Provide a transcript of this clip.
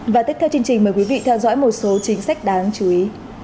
và tiếp theo chương trình mời quý vị theo dõi một số chính sách đáng chú ý